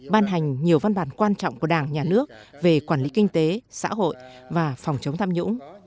ban hành nhiều văn bản quan trọng của đảng nhà nước về quản lý kinh tế xã hội và phòng chống tham nhũng